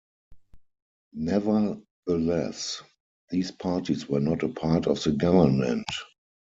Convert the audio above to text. Nevertheless, these parties were not a part of the government.